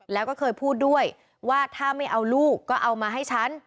แล้วก็เคยพูดด้วยว่าถ้าไม่เอาลูกก็เอามาให้ฉัน